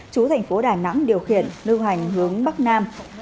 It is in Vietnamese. chú thành phố đà nẵng điều khiển lưu hành hướng bắc nam